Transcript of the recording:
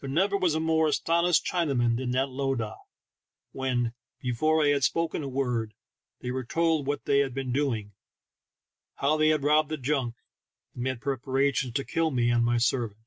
There never was a more astonished Chinaman than that lowdah when, before I had spoken a word, they were told what they had been doing, how they had robbed the junk, and made preparations to kill me and my servant.